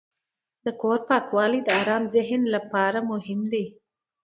د کور پاکوالی د آرام ذهن لپاره مهم دی.